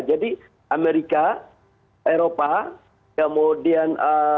jadi amerika eropa kemudian